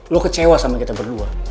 lo kecewa sama kita berdua